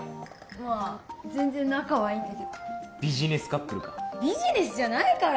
まあ全然仲はいいんだけどビジネスカップルかビジネスじゃないから！